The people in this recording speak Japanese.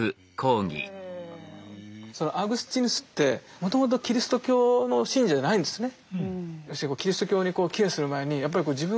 そのアウグスチヌスってもともとキリスト教の信者じゃないんですね。